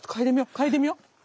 嗅いでみよう。